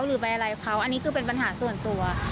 หรือไปอะไรเขาอันนี้คือเป็นปัญหาส่วนตัว